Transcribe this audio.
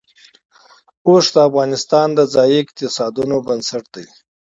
اوښ د افغانستان د ځایي اقتصادونو بنسټ دی.